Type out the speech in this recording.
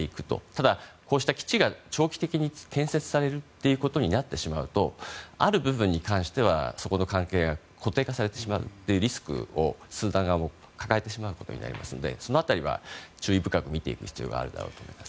ただ、こうした基地が長期的に建設されるということになってしまうとある部分に関してはそこの関係が固定化されてしまうリスクをスーダン側も抱えることになりますのでその辺りは注意深く見ていく必要があるだろうと思います。